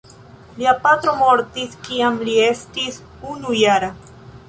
Lia patro mortis kiam li estis unujara.